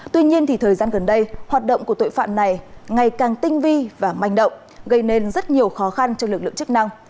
tuy nhiên thời gian gần đây hoạt động của tội phạm này ngày càng tinh vi và manh động gây nên rất nhiều khó khăn cho lực lượng chức năng